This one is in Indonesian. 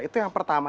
itu yang pertama